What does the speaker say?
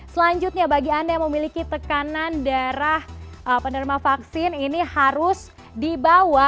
selanjutnya bagi anda yang memiliki tekanan darah penerima vaksin ini harus dibawa